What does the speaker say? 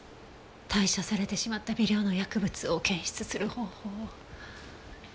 代謝されてしまった微量の薬物を検出する方法は。